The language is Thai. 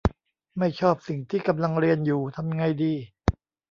ไม่ชอบสิ่งที่กำลังเรียนอยู่ ทำไงดี